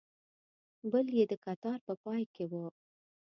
بل یې د کتار په پای کې و.